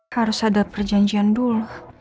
harus ada perjanjian dulu